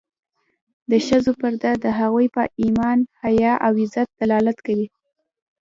د ښځو پرده د هغوی په ایمان، حیا او غیرت دلالت کوي.